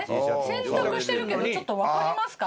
洗濯してるけどちょっとわかりますか？